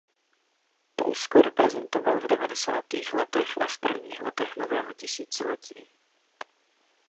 Polsko reprezentoval v devadesátých letech a v prvních letech nového tisíciletí.